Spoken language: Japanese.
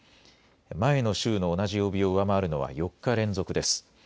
前の週の同じ曜日を上回るのは４日連続です。